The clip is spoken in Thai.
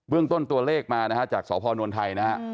เบื้องต้นตัวเลขมาจากสหพ้อนวลไทย